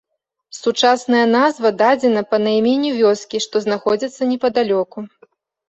Сучасная назва дадзена па найменню вёскі, што знаходзіцца непадалёку.